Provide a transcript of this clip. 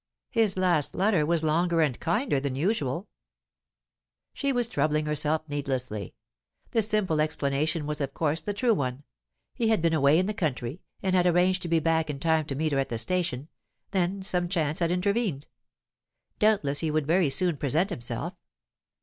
His last letter was longer and kinder than usual. She was troubling herself needlessly. The simple explanation was of course the true one. He had been away in the country, and had arranged to be back in time to meet her at the station; then some chance had intervened. Doubtless he would very soon present himself.